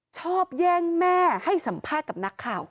ชอบแย่งแม่ให้สัมภาษณ์กับนักข่าว